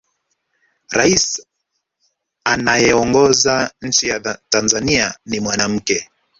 rais anayeongoza nchi ya tanzania ni mwanamke